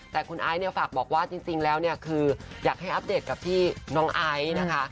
แต่คุณไอ้ฝากบอกว่าจริงแล้วคืออยากให้อัปเดตกับพี่น้องไอ้นะคะ